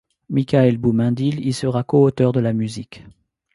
Michaël Boumendil y sera co-auteur de la musique.